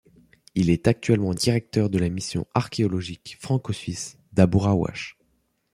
Il est actuellement directeur de la mission archéologique franco-suisse d’Abou Rawash.